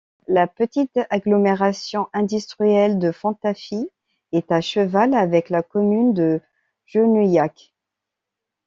La petite agglomération industrielle de Fontafie est à cheval avec la commune de Genouillac.